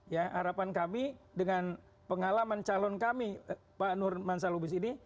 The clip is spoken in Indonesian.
ya harapan kami dengan pengalaman calon kami pak nurman salubis ini